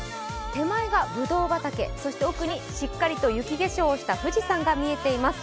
手前がぶどう畑、そして奥にしっかりと雪化粧をした富士山が見えています。